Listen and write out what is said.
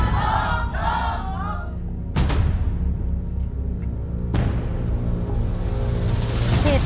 ภุ่มภวงดวงจันทร์